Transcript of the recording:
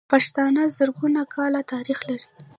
پښتانه زرګونه کاله تاريخ لري.